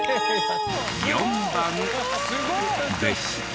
４番でした。